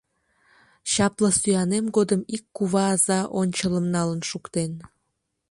Чапле сӱанем годым ик кува аза ончылым налын шуктен.